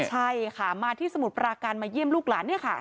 ใช่ค่ะมาที่สมุทรปราการมาเยี่ยมลูกหลานเนี่ยค่ะ